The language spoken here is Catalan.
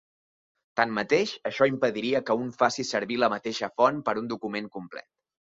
Tanmateix, això impediria que un faci servir la mateixa font per a un document complet.